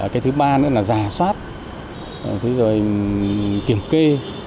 cái thứ ba nữa là giả soát rồi kiểm kê